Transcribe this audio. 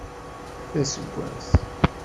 D aseggas.